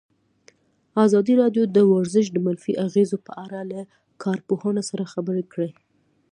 ازادي راډیو د ورزش د منفي اغېزو په اړه له کارپوهانو سره خبرې کړي.